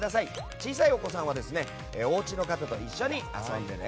小さいお子さんはおうちの方と一緒に遊んでね。